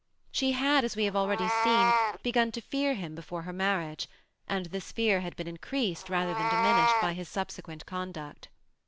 She had, as we have already seen^ begun to fear him before her marriage; and this fear had been increased rather than dimin ished by his subsequent conduct.